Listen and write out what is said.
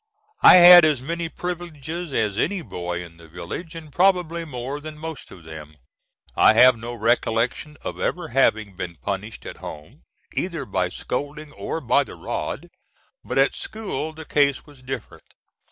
I had as many privileges as any boy in the village, and probably more than most of them. I have no recollection of ever having been punished at home, either by scolding or by the rod. But at school the case was different.